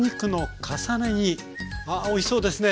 あおいしそうですね。